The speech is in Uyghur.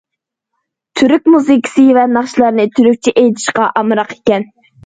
تۈرك مۇزىكىسى ۋە ناخشىلارنى تۈركچە ئېيتىشقا ئامراق ئىكەن.